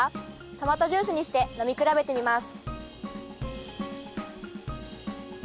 トマトジュースにして飲み比べてみます。